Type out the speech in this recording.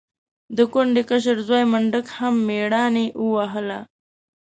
د کونډې کشر زوی منډک هم مېړانې ووهله.